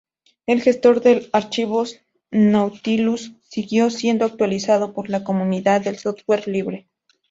El gestor de archivos Nautilus siguió siendo actualizado por la comunidad del software libre.